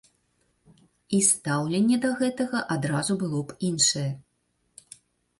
І стаўленне да гэтага адразу было б іншае.